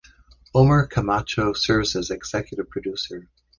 Omar Camacho serves as executive producer.